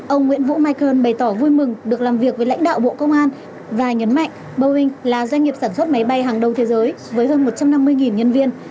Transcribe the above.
ông nguyễn vũ mai cơn bày tỏ vui mừng được làm việc với lãnh đạo bộ công an và nhấn mạnh boeing là doanh nghiệp sản xuất máy bay hàng đầu thế giới với hơn một trăm năm mươi nhân viên